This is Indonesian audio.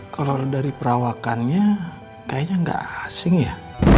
kalau dari perawakannya kayaknya nggak asing ya